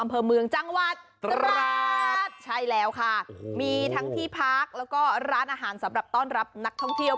อำเภอเมืองจังหวัดตราดใช่แล้วค่ะมีทั้งที่พักแล้วก็ร้านอาหารสำหรับต้อนรับนักท่องเที่ยว